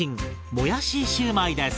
もやしシューマイです！